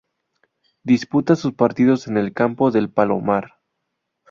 Disputa sus partidos en el campo del Palomar.